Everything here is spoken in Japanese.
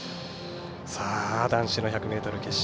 さあ、男子の１００ｍ決勝